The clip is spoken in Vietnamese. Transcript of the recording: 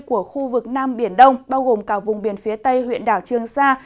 của khu vực nam biển đông bao gồm cả vùng biển phía tây huyện đảo trương sa